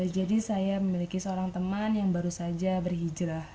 jadi saya memiliki seorang teman yang baru saja berhijrah